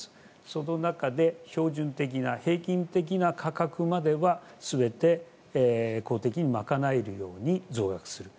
その中で標準的な平均的な価格までは全て公的に賄えるように増額する。